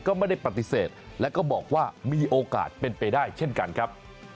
ก็ไม่ได้ปฏิเสธและก็บอกว่ามีโอกาสเป็นไปได้เช่นกันครับ